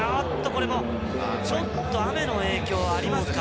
これもちょっと雨の影響ありますか？